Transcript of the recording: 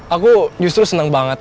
aku justru seneng banget